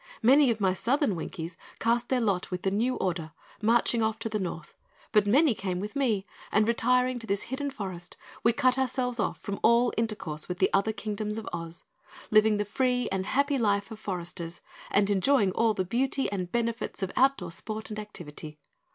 Many of my Southern Winkies cast their lot with the new order, marching off to the North, but many came with me, and retiring to this hidden forest, we cut ourselves off from all intercourse with the other Kingdoms of Oz, living the free and happy life of foresters and enjoying all the beauty and benefits of outdoor sport and activity.